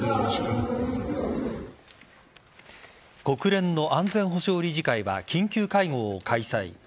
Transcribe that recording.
国連の安全保障理事会は緊急会合を開催。